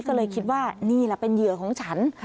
ก็เลยคิดว่านี่แหละเป็นเหยื่อของฉัน